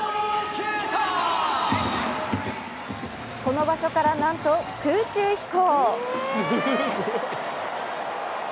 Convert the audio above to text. この場所から、なんと空中飛行。